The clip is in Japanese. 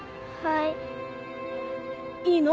はい